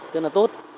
rất là tốt